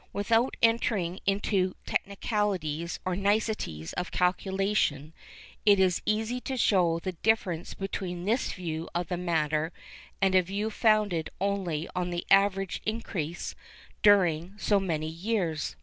Without entering into technicalities, or niceties of calculation, it is easy to show the difference between this view of the matter and a view founded only on the average increase during so many years.